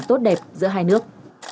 tốt đẹp giữa hai nước